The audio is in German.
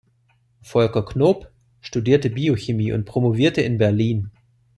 Volker Knoop studierte Biochemie und promovierte in Berlin.